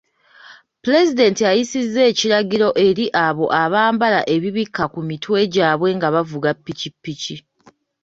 Pulezidenti ayisizza ekiragiro eri abo abambala ebibikka ku mitwe gyabwe nga bavuga ppikipiki.